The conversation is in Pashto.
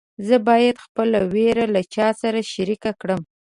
زه باید خپل ویر له چا سره شریک کړم.